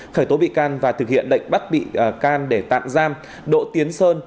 khởi tố bị can và thực hiện lệnh bắt bị can để tạm giam đỗ tiến sơn